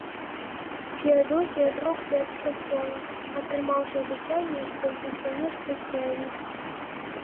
Феадосій адрокся ад прастола, атрымаўшы абяцанне, што застанецца цэлы.